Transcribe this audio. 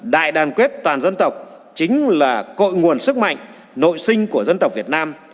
đại đoàn kết toàn dân tộc chính là cội nguồn sức mạnh nội sinh của dân tộc việt nam